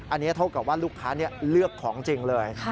อันนี้เท่ากับว่าลูกค้าเลือกของจริงเลย